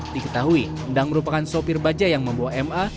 diketahui endang merupakan sopir baja yang membawa ma